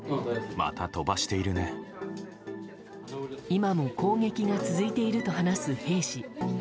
今も攻撃が続いていると話す兵士。